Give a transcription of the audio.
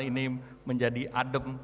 ini menjadi adem